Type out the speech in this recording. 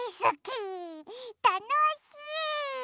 たのしい！